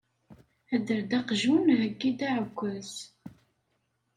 Adder-d aqjun, heggi-d aɛekkaz.